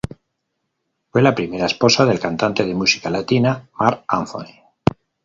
Fue la primera esposa del cantante de música latina, Marc Anthony.